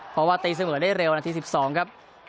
เพราะว่าตีเสมอได้เร็วนาที๑๒ครับ